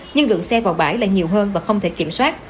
nhưng lượng xe vào bãi lại nhiều hơn và không thể kiểm soát